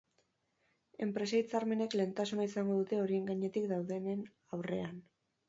Enpresa hitzarmenek lehentasuna izango dute horien gainetik daudenen aurrean.